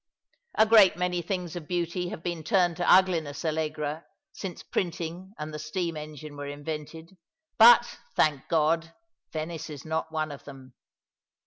A great many things of beauty have been turned to ugliness, Allegra, since printing and the steam engine were invented ; but, thank God ! Venice is not one of them.